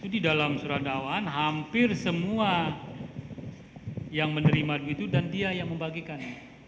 di dalam surat dakwaan hampir semua yang menerima duit itu dan dia yang membagikan